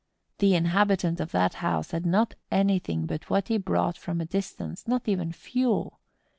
The inhabitant of that house had not anything but what he brought from a distance, not even fuel.